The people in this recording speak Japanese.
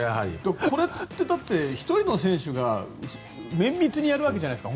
これってだって１人の選手が綿密にやるわけじゃないですか。